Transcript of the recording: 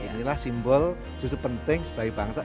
inilah simbol justru penting sebagai bangsa